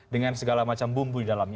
dengan segala macam bumbu di dalamnya